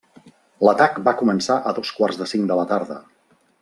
L'atac va començar a dos quarts de cinc de la tarda.